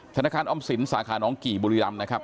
ธนาคารออมสินสาขาน้องกี่บุรีรำนะครับ